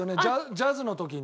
ジャズの時に。